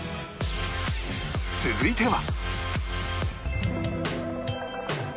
続いては